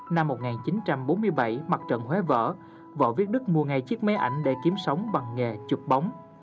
năm một nghìn chín trăm bốn mươi bảy mặt trận huế võ viết đức mua ngay chiếc máy ảnh để kiếm sống bằng nghề chụp bóng